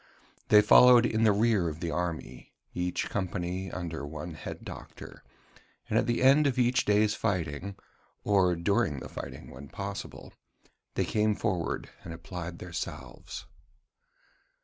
They followed in the rear of the army each company under one head doctor; and at the end of each day's fighting or during the fighting when possible they came forward and applied their salves.